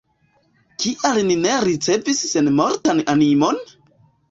Kial ni ne ricevis senmortan animon?